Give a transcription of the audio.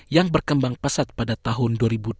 yang berkembang pesat pada tahun dua ribu dua puluh